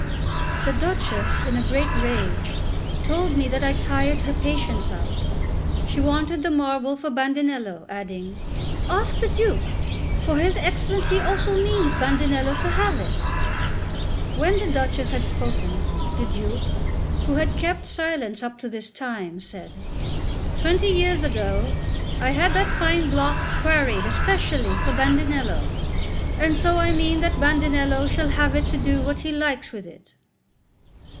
The Duchess, in a great rage, told me that I tired her patience out; she wanted the marble for Bandinello, adding: "Ask the Duke; for his Excellency also means Bandinello to have it." When the Duchess had spoken, the Duke, who had kept silence up to this time, said: "Twenty years ago I had that fine block quarried especially for Bandinello, and so I mean that Bandinello shall have it to do what he likes with it."